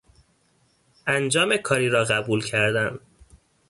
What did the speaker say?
انجام کاری را قبول کردن